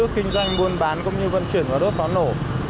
kinh doanh buôn bán cũng như vận chuyển vào đốt pháo nổ